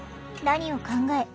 何を考え